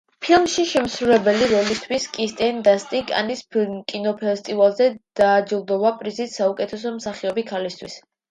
ფილმში შესრულებული როლისთვის კირსტენ დანსტი კანის კინოფესტივალზე დაჯილდოვდა პრიზით საუკეთესო მსახიობი ქალისთვის.